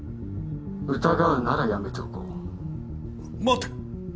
疑うならやめておこう待て！